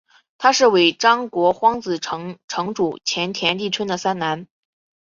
他是尾张国荒子城城主前田利春的三男。